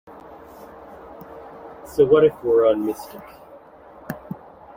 So What If We're on Mystic!